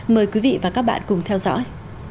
mời quý vị và các bạn cùng theo dõi